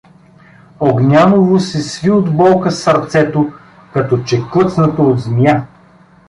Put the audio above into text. Огнянову се сви от болка сърцето, като че клъцнато от змия.